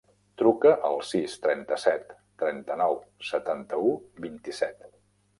Truca al sis, trenta-set, trenta-nou, setanta-u, vint-i-set.